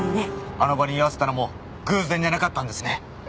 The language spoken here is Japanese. あの場に居合わせたのも偶然じゃなかったんですね。